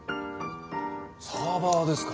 サーバーですか。